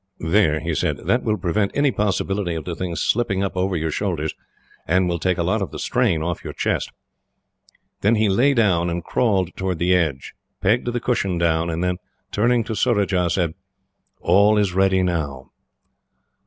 "There," he said; "that will prevent any possibility of the thing slipping up over your shoulders, and will take a lot of the strain off your chest." Then he lay down and crawled forward to the edge, pegged the cushion down, and then, turning to Surajah, said: "All is ready now."